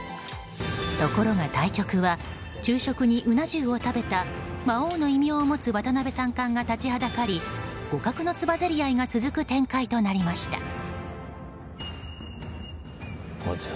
ところが対局は昼食に、うな重を食べた魔王の異名を持つ渡辺三冠が立ちはだかり互角のつばぜり合いが続く展開となりました。